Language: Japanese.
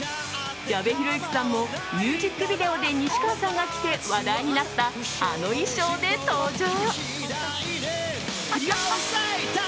矢部浩之さんもミュージックビデオで西川さんが着て話題になったあの衣装で登場。